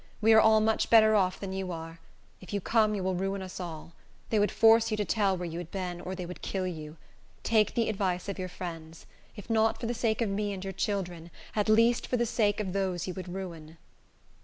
We are all much better off than you are. If you come, you will ruin us all. They would force you to tell where you had been, or they would kill you. Take the advice of your friends; if not for the sake of me and your children, at least for the sake of those you would ruin."